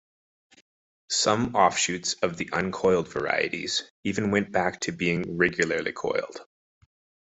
Some offshoots of the uncoiled varieties even went back to being regularly coiled.